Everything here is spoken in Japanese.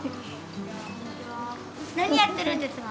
何やってるんですか？